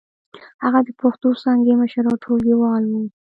هغه د پښتو څانګې مشر او ټولګيوال و.